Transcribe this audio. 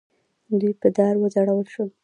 دوی په دار وځړول شول.